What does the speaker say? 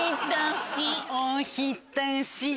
おひたし。